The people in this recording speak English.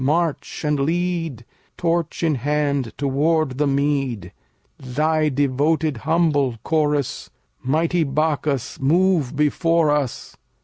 march and lead (Torch in hand toward the mead) Thy devoted humble Chorus; Mighty Bacchus move before us!